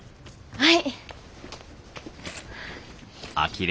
はい！